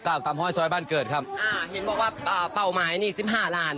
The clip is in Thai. ตามห้อยซอยบ้านเกิดครับอ่าเห็นบอกว่าอ่าเป้าหมายนี่สิบห้าล้าน